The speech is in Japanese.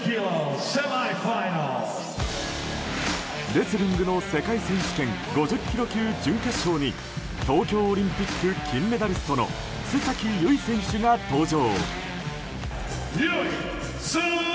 レスリングの世界選手権５０ｋｇ級準決勝に東京オリンピック金メダリストの須崎優衣選手が登場。